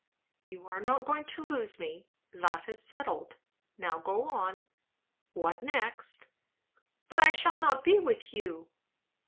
"You are not going to lose me. That is settled. Now go on. What next?" "But I shall not be with you?"